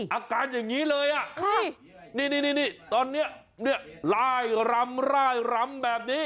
อาการอย่างงี้เลยอะตอนเนี่ยล่ายลำแบบนี้